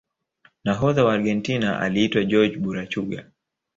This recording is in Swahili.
nahodha wa argentina aliitwa jorge burachuga